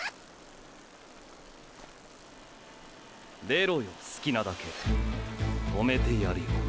出ろよ好きなだけ。止めてやるよ。